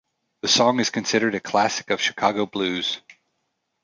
The song is considered a classic of Chicago blues.